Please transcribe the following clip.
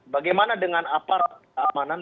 bagaimana dengan apart amanan